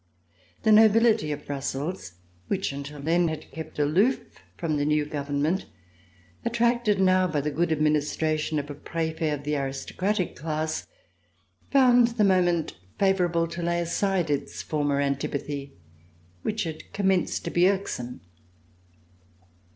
The nobility of Brussels, which until then had kept aloof from the new government, attracted now by the good administration of a Prefet of the aristocratic class, found the moment favorable to lay aside its for mer antipathy, which had commenced to be irksome.